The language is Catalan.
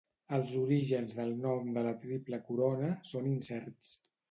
Els orígens del nom de la Triple Corona són incerts.